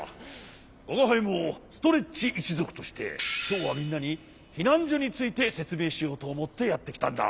わがはいもストレッチいちぞくとしてきょうはみんなにひなんじょについてせつめいしようとおもってやってきたんだ。